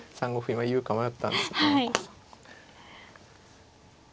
今言うか迷ったんですが。